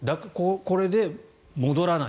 これで戻らない。